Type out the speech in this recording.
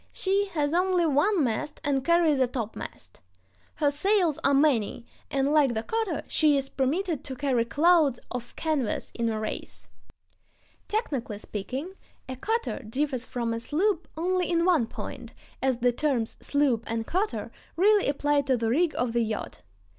She has only one mast and carries a topmast. Her sails are many, and, like the cutter, she is permitted to carry clouds of canvas in a race. Technically speaking, a cutter differs from a sloop only in one point, as the terms "sloop" and "cutter" really apply to the rig of the yacht.